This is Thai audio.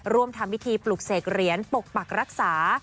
ร่วมทำพิธีปลุกเสกเหรียญปกปักรักษา